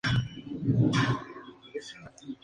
En este álbum se presenta el nuevo logo de la banda